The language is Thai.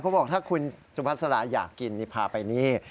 บอกถ้าคุณสุภาษาลาอยากกินนี่พาไปนี่